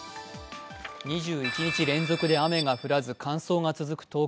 ２１日連続で雨が降らず乾燥が続く東京。